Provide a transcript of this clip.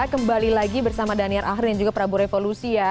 kembali lagi bersama daniar ahri dan juga prabu revolusi ya